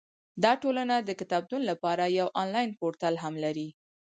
دا ټولنه د کتابتون لپاره یو انلاین پورتل هم لري.